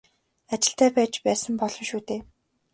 Ажилтай байж байсан болно шүү дээ.